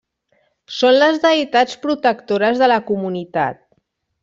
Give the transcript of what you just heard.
Són les deïtats protectores de la comunitat.